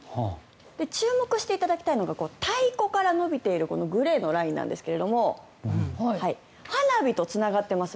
注目していただきたいのがたいこから伸びているグレーのラインなんですがはなびとつながってます。